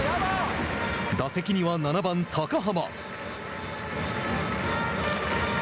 打席には７番高濱。